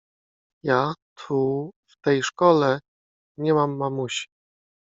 — Ja… tu… w tej szkole… nie mam mamusi…